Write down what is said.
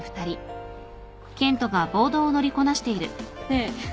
ねえ。